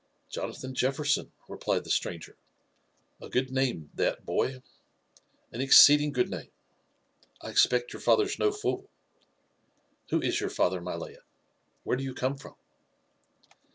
'* Jonathan Jefferson ?" replied the stranger ;" a good name that, boy, — an exceeding good name : I expect your father's no fool. Who is your father, my lad? Where do you come from